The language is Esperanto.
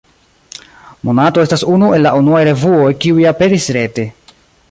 Monato estas unu el la unuaj revuoj, kiuj aperis rete.